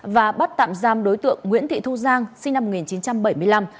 và bắt tạm giam đối tượng nguyễn thị thu giang sinh năm một nghìn chín trăm bảy mươi năm